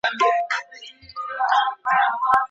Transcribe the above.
شرعیاتو پوهنځۍ بې پوښتني نه منل کیږي.